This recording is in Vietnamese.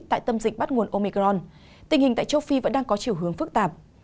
tại tâm dịch bắt nguồn omecron tình hình tại châu phi vẫn đang có chiều hướng phức tạp